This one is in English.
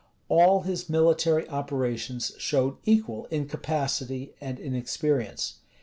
[*] All his military operations showed equal incapacity and inexperience.